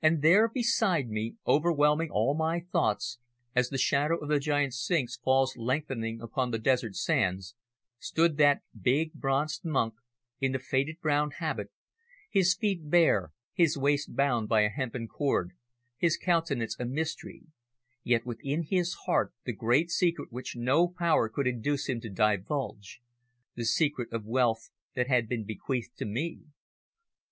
And there beside me, overwhelming all my thoughts, as the shadow of the giant Sphinx falls lengthening upon the desert sands, stood that big, bronzed monk in the faded brown habit, his feet bare, his waist bound by a hempen cord, his countenance a mystery, yet within his heart the great secret which no power could induce him to divulge the secret of wealth that had been bequeathed to me.